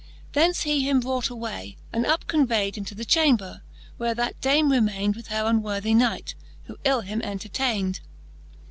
Thence he him brought away, and up convayd Into the chamber, where that Dame remayned With her unworthy knight, who ill him entertayned.